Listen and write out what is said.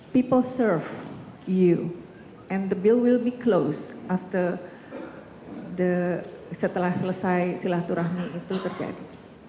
people serve you and the bill will be closed setelah selesai silaturahmi itu terjadi